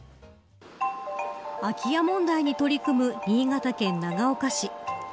空き家問題に取り組む新潟県長岡市。